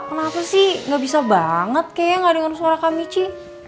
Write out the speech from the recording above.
kenapa sih gak bisa banget kak gak denger suara kak michi